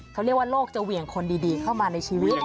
เขาเรียกว่าโลกจะเหวี่ยงคนดีเข้ามาในชีวิต